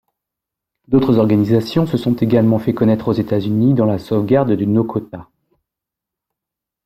D'autres organisations se sont également fait connaitre aux États-Unis dans la sauvegarde du Nokota.